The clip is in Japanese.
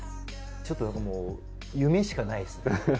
ちょっともう夢しかないですね。